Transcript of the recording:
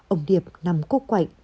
ông điệp nằm cố quạnh